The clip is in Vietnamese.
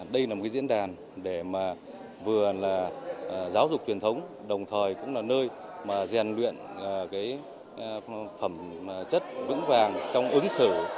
đây là diễn đàn để vừa là giáo dục truyền thống đồng thời cũng là nơi rèn luyện phẩm chất vững vàng trong ứng xử